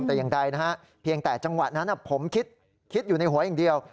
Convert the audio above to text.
แต่อย่างใดนะฮะเพียงแต่จังหวะนั้นผมคิดอยู่ในหัวอย่างเดียว